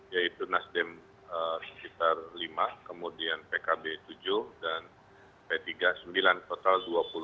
yaitu nasdem sekitar lima kemudian pkb tujuh dan p tiga puluh sembilan total dua puluh empat